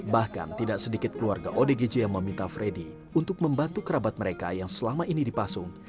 bahkan tidak sedikit keluarga odgj yang meminta freddy untuk membantu kerabat mereka yang selama ini dipasung